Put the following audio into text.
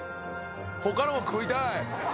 他のも食いたい。